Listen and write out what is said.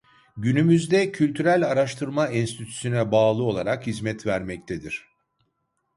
Günümüzde Kültürel Araştırma Enstitüsü'ne bağlı olarak hizmet vermektedir.